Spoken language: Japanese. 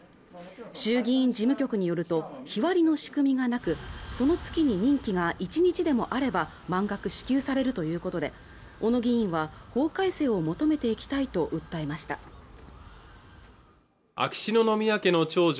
衆議院事務局によると日割りの仕組みがなくその次に任期が１日でもあれば満額支給されるということで小野議員は法改正を求めていきたいと訴えました秋篠宮家の長女